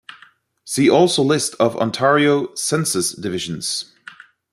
See also list of Ontario census divisions.